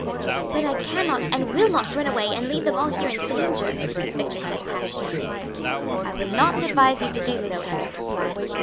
"But I cannot and will not run away and leave them all here in danger," Victor said passionately. "I would not advise you to do so," Harry replied.